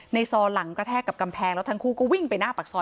ซอหลังกระแทกกับกำแพงแล้วทั้งคู่ก็วิ่งไปหน้าปากซอย